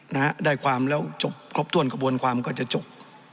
นะฮะได้ความแล้วจบครบถ้วนกระบวนความก็จะจบ